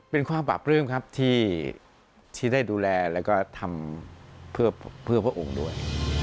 เป็นความปราบปลื้มครับที่ได้ดูแลแล้วก็ทำเพื่อพระองค์ด้วย